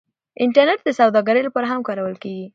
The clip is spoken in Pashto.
انټرنیټ د سوداګرۍ لپاره هم کارول کیږي.